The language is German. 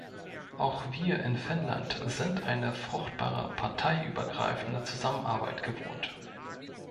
Auch wir in Finnland sind eine fruchtbare parteiübergreifende Zusammenarbeit gewohnt.